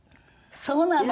そうなの。